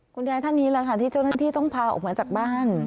ท่านนี้แหละค่ะที่เจ้าหน้าที่ต้องพาออกมาจากบ้าน